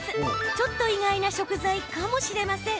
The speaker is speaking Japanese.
ちょっと意外な食材かもしれません。